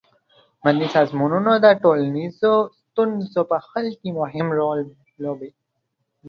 مدني سازمانونه د ټولنیزو ستونزو په حل کې مهم رول لوبوي.